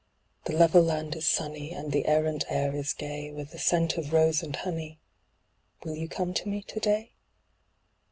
The level land is sunny, and the errant air is gay, With scent of rose & honey; will you come to me to day?